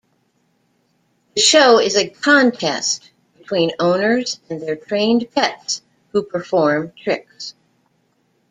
The show is a contest between owners and their trained pets who perform tricks.